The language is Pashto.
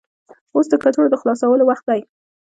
اوس د کڅوړو د خلاصولو وخت دی.